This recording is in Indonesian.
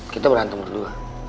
kita berantem berdua